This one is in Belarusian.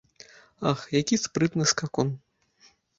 Ах, які спрытны скакун!